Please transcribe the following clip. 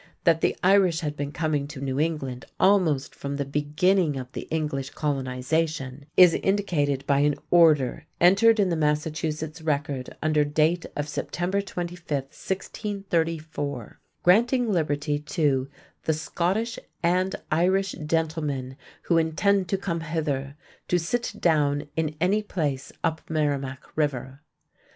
That the Irish had been coming to New England almost from the beginning of the English colonization is indicated by an "Order" entered in the Massachusetts record under date of September 25, 1634, granting liberty to "the Scottishe and Irishe gentlemen who intend to come hither, to sitt down in any place upp Merimacke river."